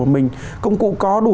mà mình công cụ có đủ